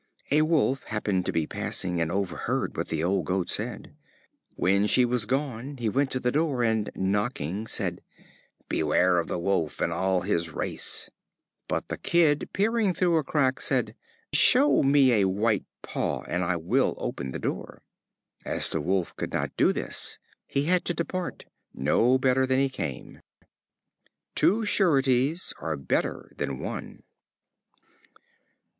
A Wolf happened to be passing, and overheard what the old Goat said. When she was gone, he went to the door, and, knocking, said: "Beware of the Wolf and all his race." But the Kid, peeping through a crack, said: "Show me a white paw and I will open the door." As the Wolf could not do this, he had to depart, no better than he came. Two sureties are better than one.